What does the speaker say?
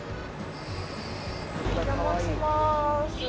お邪魔します。